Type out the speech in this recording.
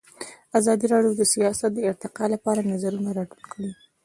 ازادي راډیو د سیاست د ارتقا لپاره نظرونه راټول کړي.